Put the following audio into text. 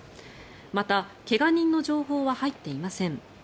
また、怪我人の情報は入っていません。